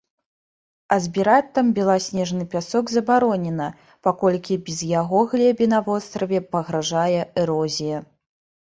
А збіраць там беласнежны пясок забаронена, паколькі без яго глебе на востраве пагражае эрозія.